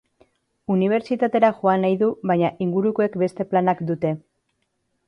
Unibertsitatera joan nahi du baina ingurukoek beste planak dute.